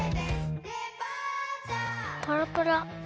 パラパラッ。